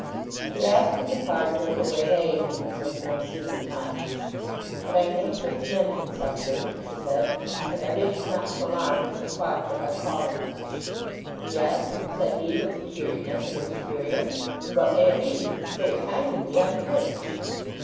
She asked him to pardon her for waylaying him at such an unseemly time. "But I am anxious to mention something," she said. "And I wished not to alarm Mrs. Farfrae by calling." "Yes?" said he, with the cheeriness of a superior. "And what may it be? It's very kind of ye, I'm sure."